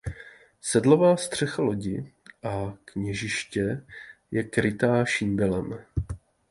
Sedlová střecha lodi a kněžiště je krytá šindelem.